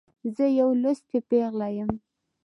زه یوه لوستې پیغله يمه.